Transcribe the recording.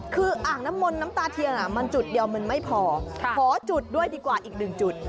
คืออ่างน้ำมนน้ำตาเทียนมันจุดเดียวมันไม่พอขอจุดด้วยดีกว่าอีกหนึ่งจุด